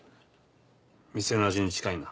店の味に近いな。